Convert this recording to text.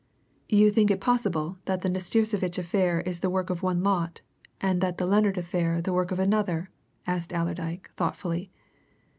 "You think it possible that the Nastirsevitch affair is the work of one lot, and the Lennard affair the work of another?" asked Allerdyke, thoughtfully.